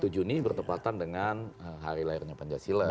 satu juni bertepatan dengan hari lahirnya pancasila